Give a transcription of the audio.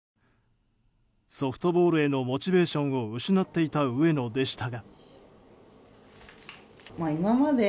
ソフトボールへのモチベーションを失っていた上野でしたが。